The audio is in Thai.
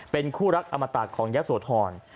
เป็นคู่รักอมตากของเยซวทร